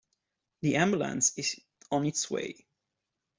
The ambulance is on its way.